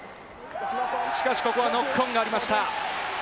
しかし、ここはノックオンがありました。